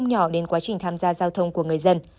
không nhỏ đến quá trình tham gia giao thông của người dân